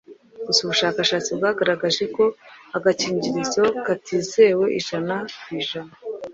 Gusa ubushakashatsi bwagaragaje ko agakingirizo katizewe ijana ku ijana